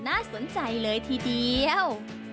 น่าสนใจเลยทีเดียว